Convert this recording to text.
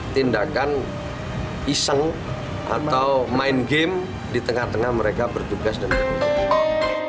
tindakan iseng atau main game di tengah tengah mereka bertugas dan berbicara